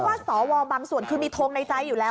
สวบางส่วนคือมีทงในใจอยู่แล้ว